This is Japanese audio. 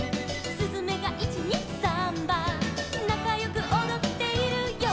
「すずめが１・２・サンバ」「なかよくおどっているよ」